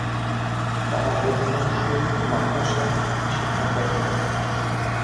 তাঁরা অধিকাংশই মাদ্রাসা শিক্ষাপ্রাপ্ত।